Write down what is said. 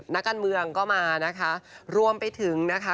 นักการเมืองก็มานะคะรวมไปถึงนะคะ